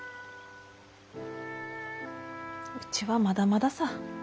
うちはまだまださ。